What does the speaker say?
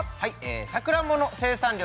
さくらんぼの生産量